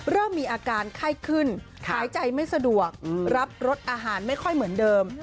เริ่มมีอาการไข้ขึ้นหายใจไม่สะดวกรับรสอาหารไม่ค่อยเหมือนเดิม